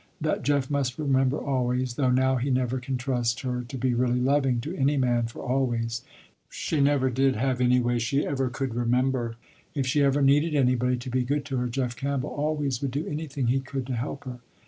That Jeff must remember always, though now he never can trust her to be really loving to any man for always, she never did have any way she ever could remember. If she ever needed anybody to be good to her, Jeff Campbell always would do anything he could to help her.